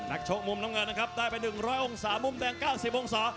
ชกมุมน้ำเงินนะครับได้ไป๑๐๐องศามุมแดง๙๐องศา